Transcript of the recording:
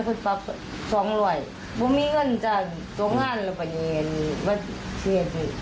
พวกมีเงินจากตรงนั้นเราไปเงียนวัดเทียด